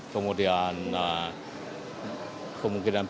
kemudian kemungkinan puncak